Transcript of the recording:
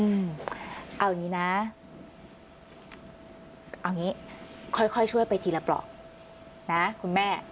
เอาอย่างนี้นะเอางี้ค่อยค่อยช่วยไปทีละปลอกนะคุณแม่